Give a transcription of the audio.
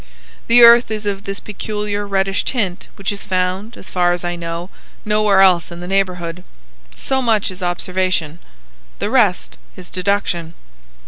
The earth is of this peculiar reddish tint which is found, as far as I know, nowhere else in the neighbourhood. So much is observation. The rest is deduction."